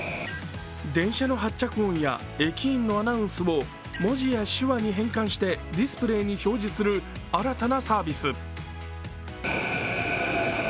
電車の発着音や駅員のアナウンスを文字や手話に変換してディスプレーに表示する新たなサービス。